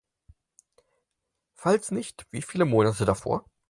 Falls nicht, wie viele Monate davor?